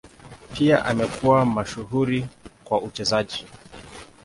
Pia amekuwa mashuhuri kwa uchezaji.